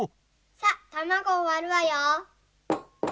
さったまごをわるわよ。